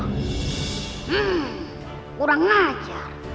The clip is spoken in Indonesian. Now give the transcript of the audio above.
hmm kurang ngajar